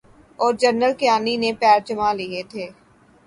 اورجنرل کیانی نے پیر جمالیے تھے۔